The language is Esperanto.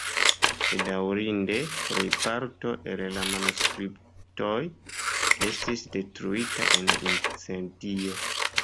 Bedaŭrinde, plejparto el la manuskriptoj estis detruita en incendio.